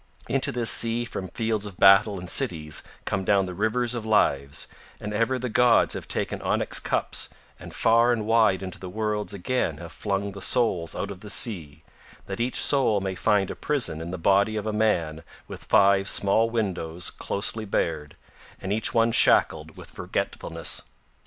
Into this sea from fields of battle and cities come down the rivers of lives, and ever the gods have taken onyx cups and far and wide into the worlds again have flung the souls out of the sea, that each soul may find a prison in the body of a man with five small windows closely barred, and each one shackled with forgetfulness.